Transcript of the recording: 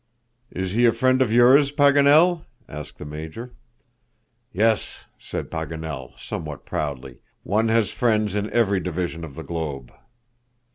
"Is he a friend of yours, Paganel?" asked the Major. "Yes," said Paganel, somewhat proudly. "One has friends in every division of the globe."